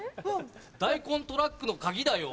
大根トラックの鍵だよ。